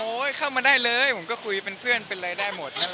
เข้ามาได้เลยผมก็คุยเป็นเพื่อนเป็นอะไรได้หมด